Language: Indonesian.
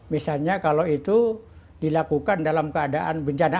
misalnya kalau itu dilakukan dalam keadaan bencana